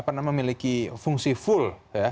pernah memiliki fungsi full